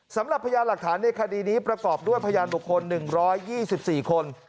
สำหรับพยานหลักฐานในคดีนี้ประกอบด้วยพยานบุคคล๑๒๔คน